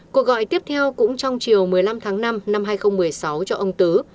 cuộc gọi tiếp theo cũng trong chiều một mươi năm tháng năm năm hai nghìn một mươi sáu cho ông tứ